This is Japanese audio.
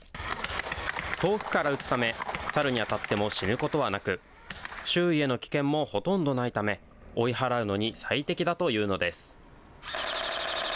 遠くから撃つため、サルに当たっても死ぬことはなく、周囲への危険もほとんどないため、追い払うのに最適だというのです。